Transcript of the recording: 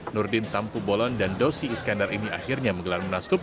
nurdin tampu bolon dan dosi iskandar ini akhirnya menggelar munaslup